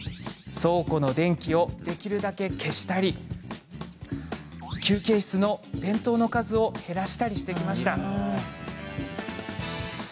倉庫の電気をできるだけ消したり休憩室の電灯の数を減らしたりしてきました。